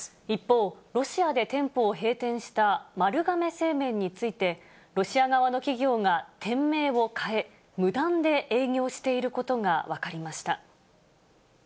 一方、ロシアで店舗を閉店した丸亀製麺について、ロシア側の企業が店名を変え、無断で営業していることが分かりました。